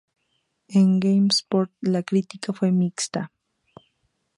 En GameSpot La crítica fue mixta.